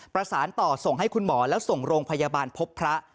ประสานต่อส่งให้คุณหมอแล้วส่งโรงพยาบาลพบพระ